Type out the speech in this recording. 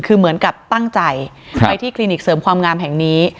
คือเหมือนกับตั้งใจไปที่คลินิกเสริมความงามแห่งนี้